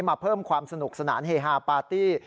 มาเพิ่มความสนุกสนานเฮฮาปาร์ตี้